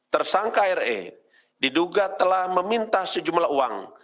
tersangka re diduga telah meminta sejumlah uang